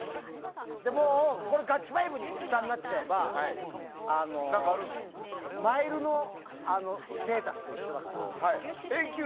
もうガチファイブにいったんなっちゃえばマイルのステータスと一緒だから。